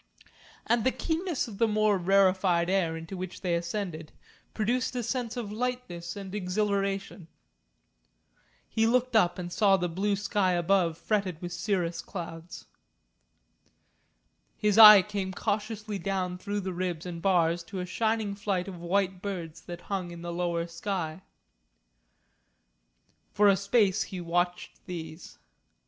And the keenness of the more rarefied air into which they ascended produced a sense of lightness and exhilaration. He looked up and saw the blue sky above fretted with cirrus clouds. His eye came cautiously down through the ribs and bars to a shining flight of white birds that hung in the lower sky. For a space he watched these.